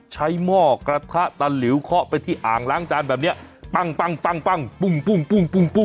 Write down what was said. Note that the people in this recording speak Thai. หม้อกระทะตะหลิวเคาะไปที่อ่างล้างจานแบบนี้ปั้งปั้งปุ้งปุ้งปุ้งปุ้งปุ้ง